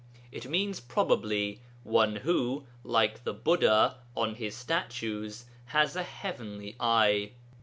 It means probably 'one who (like the Buddha on his statues) has a heavenly eye.'